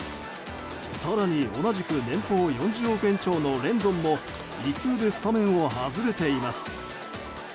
更に、同じく年俸４０億円超のレンドンも胃痛でスタメンを外れています。